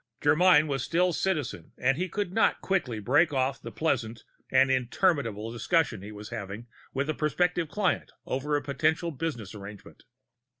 Germyn was still Citizen and he could not quickly break off the pleasant and interminable discussion he was having with a prospective client over a potential business arrangement.